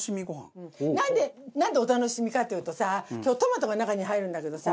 なんでお楽しみかっていうとさ今日トマトが中に入るんだけどさ